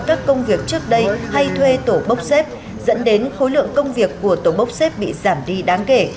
các công việc trước đây hay thuê tổ bốc xếp dẫn đến khối lượng công việc của tổ bốc xếp bị giảm đi đáng kể